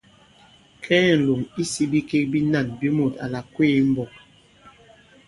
Kɛɛ ǹlòŋ isī bikek binân bi mût à làkweē i m̀mbɔk.